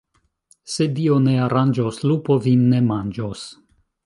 Se Dio ne aranĝos, lupo vin ne manĝos.